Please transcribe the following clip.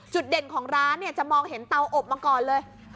เด่นของร้านเนี่ยจะมองเห็นเตาอบมาก่อนเลย